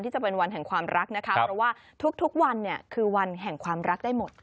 จะเป็นวันแห่งความรักนะคะเพราะว่าทุกวันเนี่ยคือวันแห่งความรักได้หมด